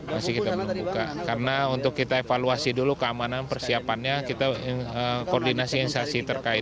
masih kita belum buka karena untuk kita evaluasi dulu keamanan persiapannya kita koordinasi insasi terkait